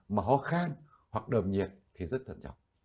mà hò khăn hoặc đờm nhiệt thì rất thân trọng